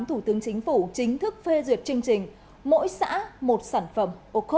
thủ tướng chính phủ chính thức phê duyệt chương trình mỗi xã một sản phẩm